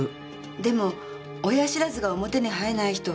でも親知らずが表に生えない人は大勢います。